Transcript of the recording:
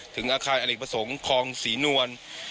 ถึงอาคารอเนกประสงค์คลองศรีนวล